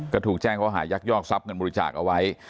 ก็ถูกแจ้งเขาหายักยอกทรัพย์เงินบริจาคเอาไว้